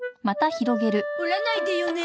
折らないでよね。